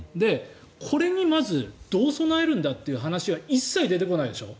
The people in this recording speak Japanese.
これにまず、どう備えるんだという話が一切出てこないでしょ。